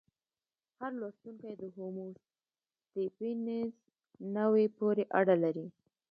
هر لوستونکی د هومو سیپینز نوعې پورې اړه لري.